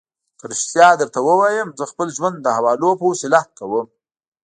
که رښتیا درته ووایم، زه خپل ژوند د حوالو په وسیله کوم.